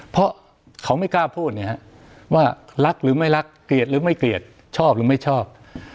เพราะเขาไม่กล้าพูดเนี่ยฮะว่ารักหรือไม่รักเกลียดหรือไม่เกลียดชอบหรือไม่ชอบ